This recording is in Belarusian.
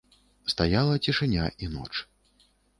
Стаяла цішыня і ноч.